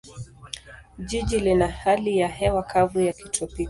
Jiji lina hali ya hewa kavu ya kitropiki.